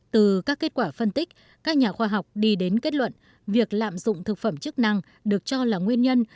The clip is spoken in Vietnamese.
từ các kết quả phân tích các nhà khoa học đi đến kết luận việc lạm dụng thực phẩm chức năng được cho là nguyên nhân